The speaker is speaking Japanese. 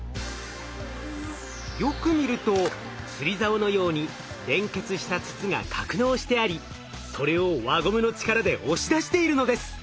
よく見ると釣りざおのように連結した筒が格納してありそれを輪ゴムの力で押し出しているのです。